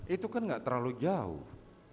itu kan nggak terlalu jauh